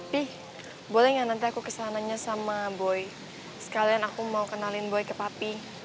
pi boleh nggak nanti aku kesananya sama boy sekalian aku mau kenalin boy ke papi